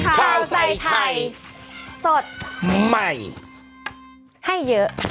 ข้าวใส่ไข่สดใหม่ให้เยอะ